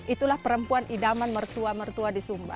itulah perempuan idaman mertua mertua di sumba